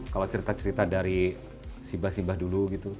kalau cerita cerita dari sibah sibah dulu gitu